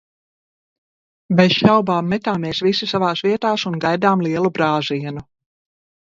Bez šaubām, metāmies visi savās vietās un gaidām lielu brāzienu.